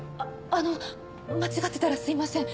あの間違ってたらすいません。